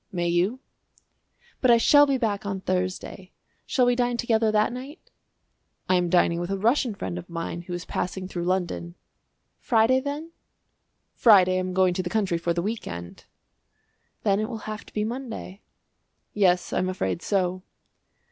"May you?" "But I shall be back on Thursday. Shall we dine together that night?" "I am dining with a Russian friend of mine who is passing through London." "Friday, then?" "Friday I am going to the country for the week end." "Then it will have to be Monday." "Yes, I am afraid so."